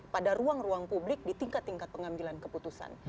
pada ruang ruang publik di tingkat tingkat pengambilan keputusan